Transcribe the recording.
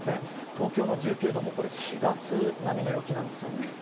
東京の１９度も４月並みの陽気です。